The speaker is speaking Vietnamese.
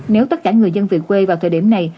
nếu tất cả người dân về quê vào thời điểm này